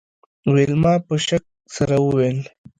ویلما په شک سره وویل